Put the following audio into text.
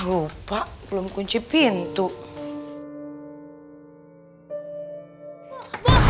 siapa yang ilang jangan n shortcut ya